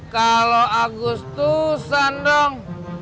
kalau agustusan dong